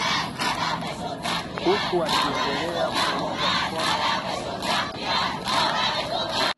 huku akiendelea kuungwa mkono na wanaharakati wengi